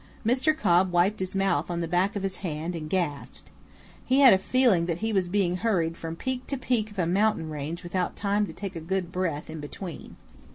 Mr. Cobb wiped his mouth on the back of his hand and gasped. He had a feeling that he was being hurried from peak to peak of a mountain range without time to take a good breath in between.